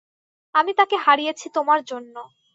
আমি তাকে হারিয়েছি তোমার জন্য।